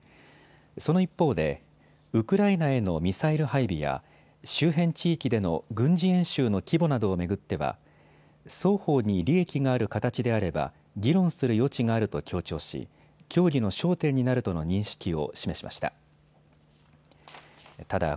その一方でウクライナへのミサイル配備や周辺地域での軍事演習の規模などを巡っては双方に利益がある形であれば議論する余地があると強調し協議の焦点になるとの認識を示しました。